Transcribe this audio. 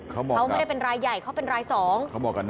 เขาไม่ได้เป็นรายใหญ่เขาเป็นรายสอง